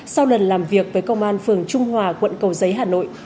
sau lần làm việc với công an phường trung hòa quận cầu giấy hà nội